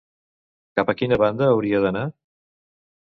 Cap a quina banda hauria d'anar?